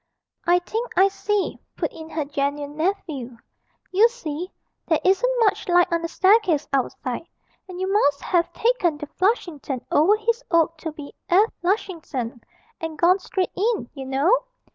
'I think I see,' put in her genuine nephew; 'you see, there isn't much light on the staircase outside, and you must have taken the "Flushington" over his oak to be "F. Lushington," and gone straight in, you know.